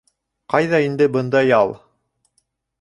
Ҡайҙа инде бында ял!